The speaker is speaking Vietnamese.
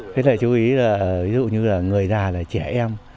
thế là chú ý là ví dụ như là người già là trẻ em